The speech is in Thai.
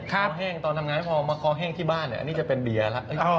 แห้งตอนทำงานไม่พอมาคอแห้งที่บ้านอันนี้จะเป็นเบียร์แล้ว